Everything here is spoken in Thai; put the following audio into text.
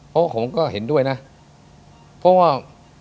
ผมก็เห็นด้วยนะเพราะว่า